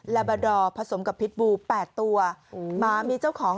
ลาบาดอร์ผสมกับพิษบูแปดตัวอืมหมามีเจ้าของ